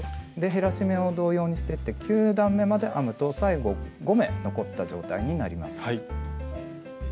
減らし目を同様にしていって９段めまで編むと最後５目残った状態になります。